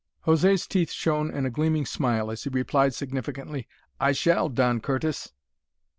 José's teeth shone in a gleaming smile as he replied significantly, "I shall, Don Curtis!"